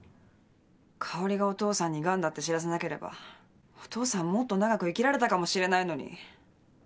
香織がお父さんにガンだって知らせなければお父さんもっと長く生きられたかもしれないのに。